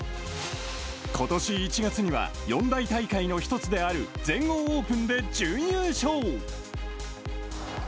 ことし１月には四大大会の一つである全豪オープンで準優勝。